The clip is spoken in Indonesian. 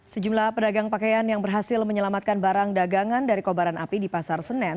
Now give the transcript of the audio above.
sejumlah pedagang pakaian yang berhasil menyelamatkan barang dagangan dari kobaran api di pasar senen